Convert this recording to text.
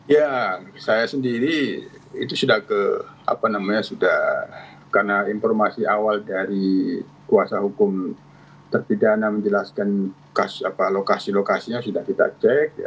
ya saya sendiri itu sudah ke apa namanya sudah karena informasi awal dari kuasa hukum terpidana menjelaskan lokasi lokasinya sudah kita cek